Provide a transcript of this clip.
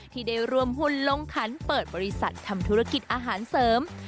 ที่ได้ร่วมหุ้นลงขันเปิดบริษัททำธุรกิจอาหารเสริม